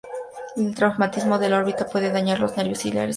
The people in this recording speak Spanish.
Un traumatismo en la órbita puede dañar los nervios ciliares cortos.